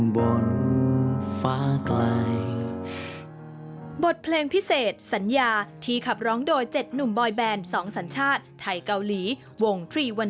บทเพลงพิเศษสัญญาที่ขับร้องโดย๗หนุ่มบอยแบนสองสัญชาติไทยเกาหลีวง๓๑๖